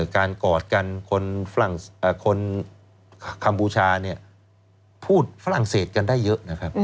กอดกันคนคัมพูชาพูดฝรั่งเศสกันได้เยอะนะครับ